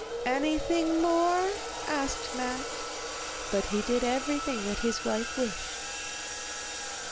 'Anything more?' asked Matte; but he did everything that his wife wished.